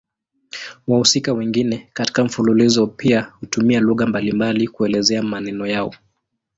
Wahusika wengine katika mfululizo pia hutumia lugha mbalimbali kuelezea maneno yao.